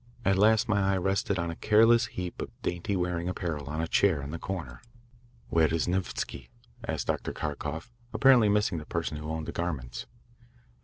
At last my eye rested on a careless heap of dainty wearing apparel on a chair in the corner. "Where is Nevsky?" asked Dr. Kharkoff, apparently missing the person who owned the garments.